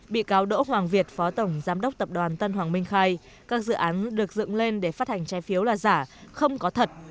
bị cáo đỗ hoàng việt phó tổng giám đốc tập đoàn tân hoàng minh khai các dự án được dựng lên để phát hành trái phiếu là giả không có thật